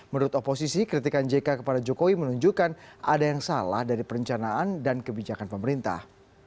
menurut oposisi kritikan jk kepada jokowi menunjukkan ada yang salah dari perencanaan dan kebijakan pemerintah